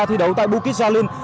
thi đấu tại bukit jalil